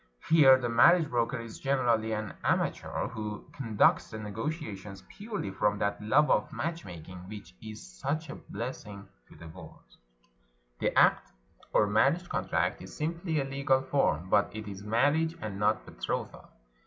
Here the marriage broker is generally an amateur, who conducts the negotiations purely from that love of match making which is such a blessing to the world. The akd, or marriage contract, is simply a legal form; but it is marriage and not betrothal.